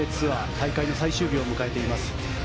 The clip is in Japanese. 大会の最終日を迎えています。